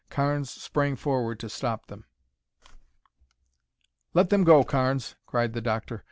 Carnes sprang forward to stop them. "Let them go, Carnes!" cried the doctor.